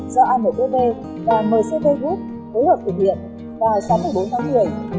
do imtv và mcv group phối hợp thực hiện vào sáng tháng bốn tháng một mươi